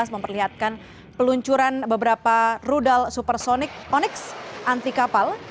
memperlihatkan peluncuran beberapa rudal supersonik onyx antikapal